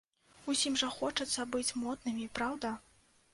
Усім жа хочацца быць моднымі, праўда?